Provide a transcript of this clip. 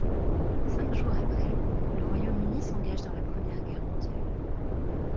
Cinq jours après le Royaume-Uni s'engage dans la Première Guerre mondiale.